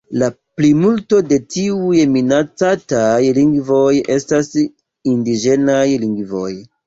La plimulto de tiuj minacataj lingvoj estas indiĝenaj lingvoj.